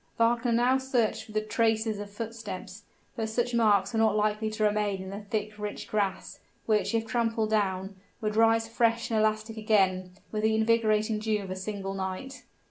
Wagner now searched for the traces of footsteps; but such marks were not likely to remain in the thick rich grass, which if trampled down, would rise fresh and elastic again with the invigorating dew of a single night.